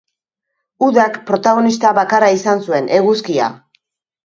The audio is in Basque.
Udak protagonista bakarra izan zuen, eguzkia.